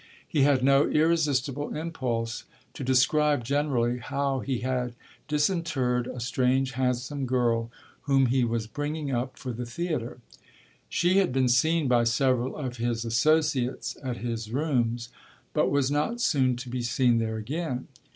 He had no irresistible impulse to describe generally how he had disinterred a strange, handsome girl whom he was bringing up for the theatre. She had been seen by several of his associates at his rooms, but was not soon to be seen there again.